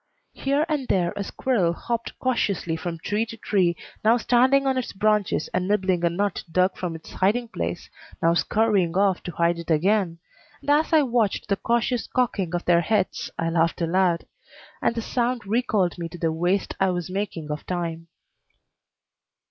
Here and there a squirrel hopped cautiously from tree to tree, now standing on its branches and nibbling a nut dug from its hiding place, now scurrying off to hide it again, and as I watched the cautious cocking of their heads I laughed aloud, and the sound recalled me to the waste I was making of time.